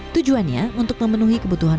tujuannya untuk memenuhi kebutuhanan